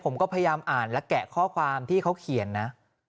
ผมก็พยายามอ่านและแกะข้อความที่เขาเขียนนะ